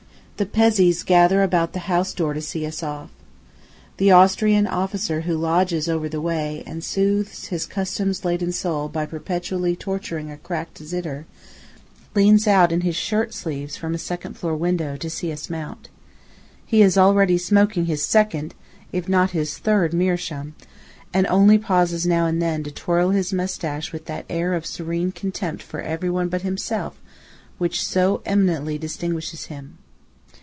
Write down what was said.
The Pezzés gather about the house door to see us off. The Austrian officer who lodges over the way and soothes his Customs laden soul by perpetually torturing a cracked zitter, leans out in his shirt sleeves from a second floor window, to see us mount. He is already smoking his second, if not his third meerschaum; and only pauses now and then to twirl his moustache with that air of serene contempt for everyone but himself which so eminently distinguishes him.